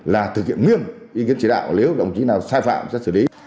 là thực hiện nghiêm ý kiến chỉ đạo nếu đồng chí nào sai phạm sẽ xử lý